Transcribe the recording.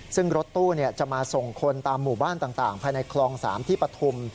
ซึ่งรถตู้จะมาส่งคนตามหมู่บ้านต่างภายในคลอง๓ที่ปฐุม